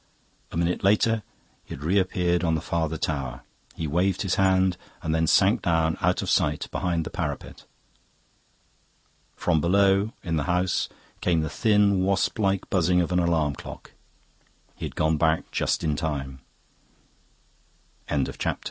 A minute later he had reappeared on the farther tower; he waved his hand, and then sank down, out of sight, behind the parapet. From below, in the house, came the thin wasp like buzzing of an alarum clock. He had gone back just in time. CHAPTER XX. Ivor was gone.